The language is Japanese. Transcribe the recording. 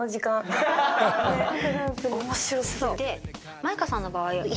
舞香さんの場合は。